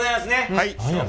はい。